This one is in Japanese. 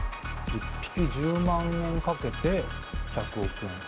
１匹１００万円かけて１，０００億か。